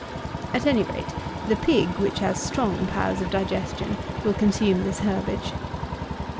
At any rate, the pig, which has strong powers of digestion, will consume this herbage.